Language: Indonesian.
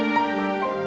buat ya vu